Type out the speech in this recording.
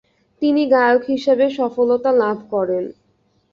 তিনি গায়ক হিসেবে সফলতা লাভ করেন।